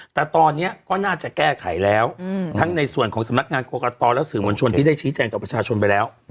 แต่ตอนนี้ก็น่าจะแก้ไขแล้วทั้งในส่วนของสำนักงานกรกตและสื่อมวลชนที่ได้ชี้แจงต่อประชาชนไปแล้ว